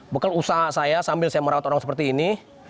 bekal usaha saya sambil saya merawat orang seperti ini